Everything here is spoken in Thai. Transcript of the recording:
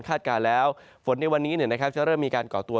เพื่องวิัลก็มีเดิมอย่างกัน